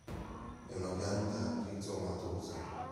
È una pianta rizomatosa.